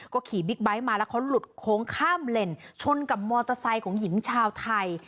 ก็ขี่บิ๊กไบท์มาแล้วเขาหลุดโค้งข้ามเลนชนกับมอเตอร์ไซค์ของหญิงชาวไทย